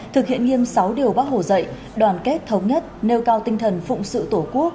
thực hiện nghiêm sáu điều bác hồ dạy đoàn kết thống nhất nêu cao tinh thần phụng sự tổ quốc